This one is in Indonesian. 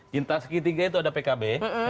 cinta segitiga itu ada pkb